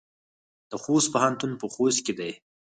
د خوست پوهنتون په خوست کې دی